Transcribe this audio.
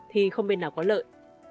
thì không bên nào có lợi